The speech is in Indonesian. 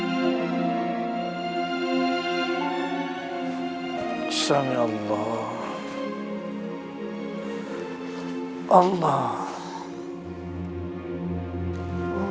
jika group ini sudah terakhir